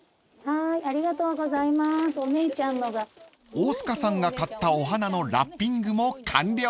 ［大塚さんが買ったお花のラッピングも完了］